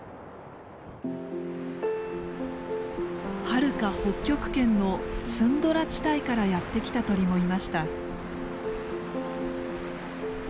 はるか北極圏のツンドラ地帯からやって来た鳥もいました。